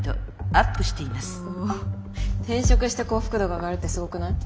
お転職して幸福度が上がるってすごくない？